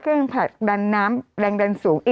กรมป้องกันแล้วก็บรรเทาสาธารณภัยนะคะ